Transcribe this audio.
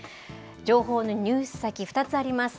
情報の入手先、２つあります。